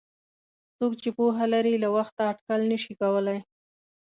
څوک چې پوهه لري له وخته اټکل نشي کولای.